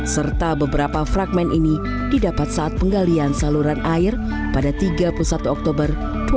serta beberapa fragment ini didapat saat penggalian saluran air pada tiga puluh satu oktober dua ribu dua puluh